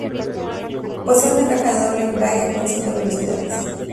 Posee una caja de doble embrague con siete velocidades.